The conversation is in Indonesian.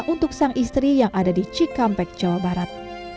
untuk sang istri yang ada di cikampek jawa barat